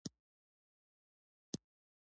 کابل ټایمز په کومه ژبه ده؟